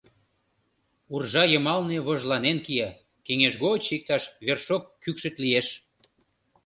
Уржа йымалне вожланен кия, кеҥеж гоч иктаж вершок кӱкшыт лиеш.